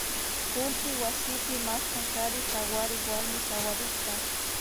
kullpi wasipi maskan kari sawarik warmi sawarikta